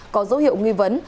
có dấu hiệu nghi vấn